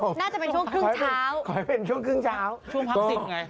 น่าจะเป็นช่วงครึ่งเช้าขอให้เป็นช่วงครึ่งเช้าช่วงพักสิบไง